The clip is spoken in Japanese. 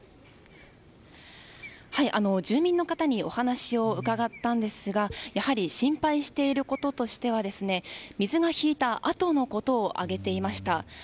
住民の方にお話を伺ったんですがやはり心配していることとしては水が引いたあとのことを挙げていました。